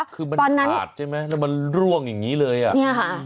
คือมันขาดใช่ไหมแล้วมันร่วงอย่างนี้เลย